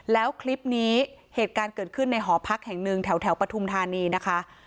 แล้วคลิปนี้เหตุการณ์เกิดขึ้นในหอพักแห่งหนึ่งแถวปฐุมธานีนะคะ